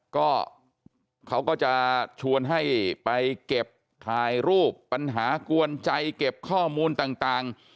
ก็เขาก็จะชวนให้ไปเก็บถ่ายรูปปัญหากวนใจเก็บข้อมูลต่าง